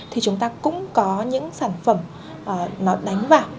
thì chúng ta cũng có những sản phẩm nó đánh vào